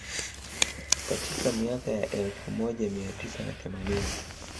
Katika miaka ya elfu moja mia tisa na themanini